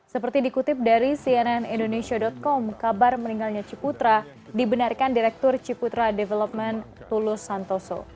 seperti dikutip dari cnn indonesia com kabar meninggalnya ciputra dibenarkan direktur ciputra development tulus santoso